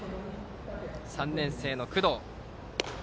３年生の工藤。